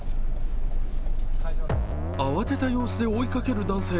慌てた様子で追いかける男性。